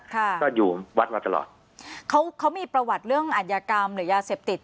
ค่ะก็อยู่วัดมาตลอดเขาเขามีประวัติเรื่องอัธยากรรมหรือยาเสพติด